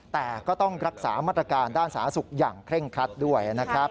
แต่ก็ต้องรักษามาตรการด้านสาธารณสุขอย่างเคร่งครัดด้วยนะครับ